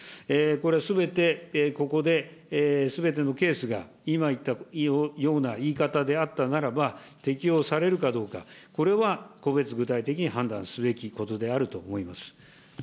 これはすべて、ここですべてのケースが今言ったような言い方であったならば、適用されるかどうか、これは個別具体的に判断すべきことであると思います。